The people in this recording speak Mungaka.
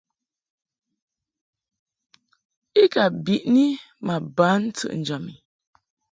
I ka biʼni ma ban ntɨʼnjam i.